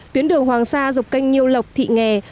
tuyến đường hoàng sa dọc kênh nhiêu lộc thị nghè